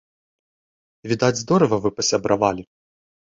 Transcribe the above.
Відаць, здорава вы пасябравалі.